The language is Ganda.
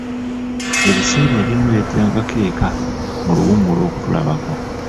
Ebiseera ebimu yajjangako eka mu luwummula okutulabako.